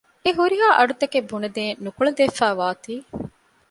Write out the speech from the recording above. އެ ހުރިހާ އަޑުތަކެއް ބުނެދޭން ނުކުޅެދިފައިވާތީ